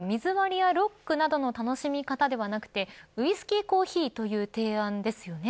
今回、一つ気になるのが水割りやロックなどの楽しみ方ではなくてウイスキーコーヒーという提案ですよね。